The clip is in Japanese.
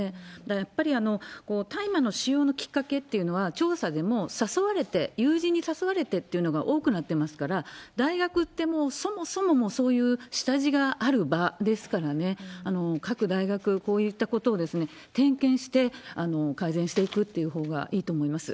やっぱり大麻の使用のきっかけっていうのは、調査でも、誘われて、友人に誘われてっていうのが多くなってますから、大学ってもう、そもそも、もうそういう下地がある場ですからね、各大学、こういったことを点検して、改善していくっていうほうがいいと思います。